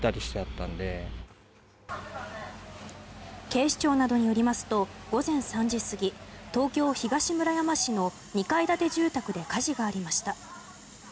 警視庁などによりますと午前３時過ぎ東京・東村山市の２階建て住宅で火事がありました。